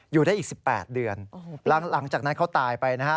อยู่ได้อีก๑๘เดือนหลังจากนั้นเขาตายไปนะฮะ